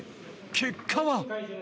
結果は。